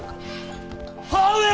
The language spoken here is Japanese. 母上！